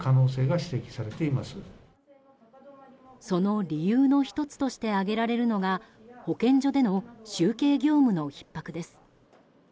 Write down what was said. その理由の１つとして挙げられるのが保健所での集計業務のひっ迫です。